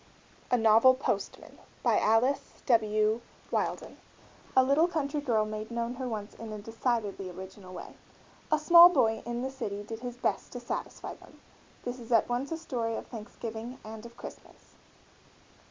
A NOVEL POSTMAN BY ALICE W. WHEILDON. A little country girl made known her wants in a decidedly original way. A small boy in the city did his best to satisfy them. This is at once a story of Thanksgiving and of Christmas.